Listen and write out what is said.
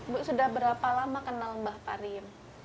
bu sudah berapa lama kenal mbah pariem